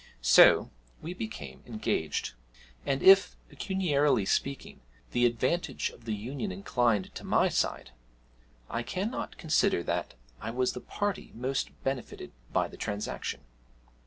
So we became engaged; and if, pecuniarily speaking, the advantage of the union inclined to my side, I cannot consider that I was the party most benefited by the transaction.